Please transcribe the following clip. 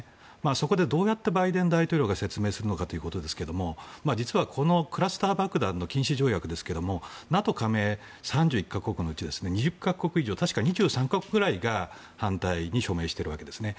そこでどうやってバイデン大統領が説明するのかということですが実はこのクラスター爆弾の禁止条約ですがＮＡＴＯ加盟３１か国のうち２０か国以上確か２３か国ぐらいが反対に署名しているわけですね。